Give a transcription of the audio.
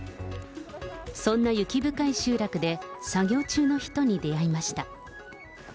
そんな雪深い集落で、作業中の人に出会いました。